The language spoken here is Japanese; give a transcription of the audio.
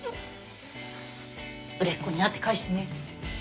売れっ子になって返してね。